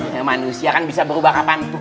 ya manusia kan bisa berubah kapan tuh